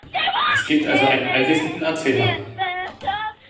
Es gibt also einen allwissenden Erzähler.